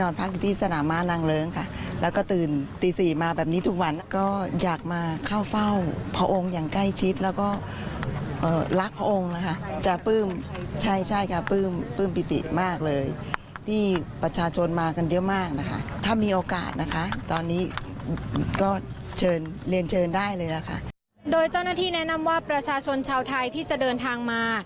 โดยเจ้าหน้าที่แนะนำว่าประชาชนชาวไทยที่จะเดินทางมา